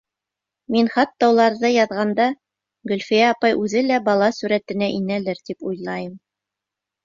Мин хатта уларҙы яҙғанда Гөлфиә апай үҙе лә бала сүрәтенә инәлер, тип уйлайым.